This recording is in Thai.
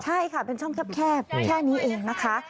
ใช่ค่ะเป็นช่องแคบแค่นี้เองนะคะ